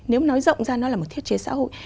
nếu nói rộng ra nó là một thiết chế xã hội